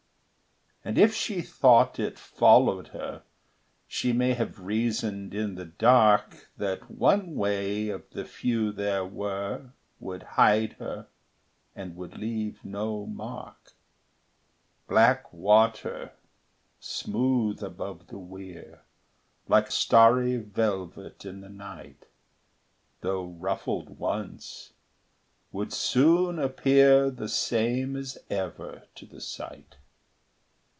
And if she thought it followed her, She may have reasoned in the dark That one way of the few there were Would hide her and would leave no mark: Black water, smooth above the weir Like starry velvet in the night, Though ruffled once, would soon appear The same as ever to the sight.